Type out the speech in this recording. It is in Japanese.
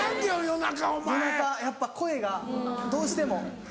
夜中やっぱ声がどうしても。